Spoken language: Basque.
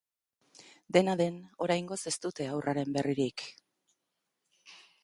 Dena den, oraingoz ez dute haurraren berririk.